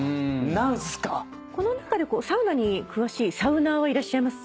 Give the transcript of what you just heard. この中でサウナに詳しいサウナーはいらっしゃいませんか？